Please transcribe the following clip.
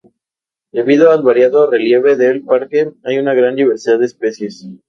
Debido al variado relieve del parque hay una gran diversidad de especies.